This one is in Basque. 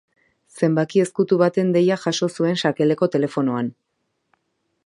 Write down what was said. Zenbaki ezkutu baten deia jaso zuen sakeleko telefonoan.